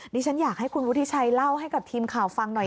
ดิฉันอยากให้คุณวุฒิชัยเล่าให้กับทีมข่าวฟังหน่อย